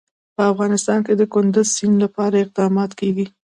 په افغانستان کې د کندز سیند لپاره اقدامات کېږي.